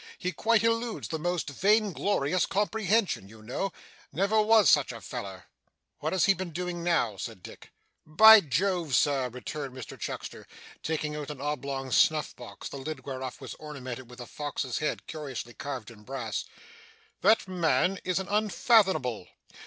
He quite eludes the most vigorous comprehension, you know. Never was such a feller!' 'What has he been doing now?' said Dick. 'By Jove, Sir,' returned Mr Chuckster, taking out an oblong snuff box, the lid whereof was ornamented with a fox's head curiously carved in brass, 'that man is an unfathomable.